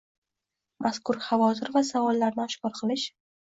mazkur xavotir va savollarni oshkor qilish